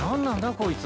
こいつ。